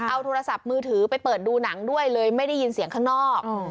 เอาโทรศัพท์มือถือไปเปิดดูหนังด้วยเลยไม่ได้ยินเสียงข้างนอก